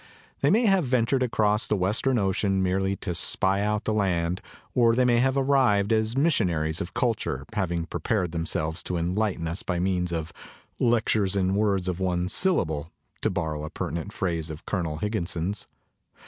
They may have ventured across the Western Ocean merely to spy out the land, or they may have arrived as missionaries of culture, having prepared themselves to enlighten us by means of " lectures in words of one syllable," to bor row a pertinent phrase of Colonel Higginson's.